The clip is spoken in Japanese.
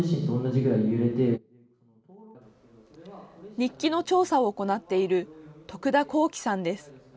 日記の調査を行っている徳田光希さんです。